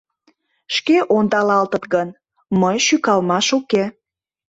Шке ондалалтыт гын, мый шӱкалмаш уке.